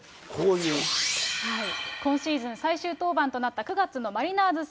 今シーズン最終登板となった９月のマリナーズ戦。